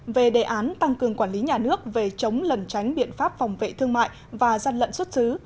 về đề án tăng cường quản lý nhà nước về chống lần tránh biện pháp phòng vệ thương mại và gian lận xuất xứ